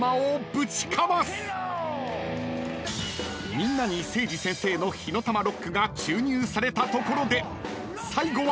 ［みんなにセイジ先生の火の玉ロックが注入されたところで最後は］